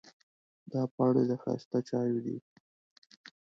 دا پاڼې د ښایسته چایو دي.